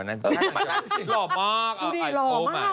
หล่อมากอ่ะโอ้มายก็อดดูดิหล่อมากอ่ะ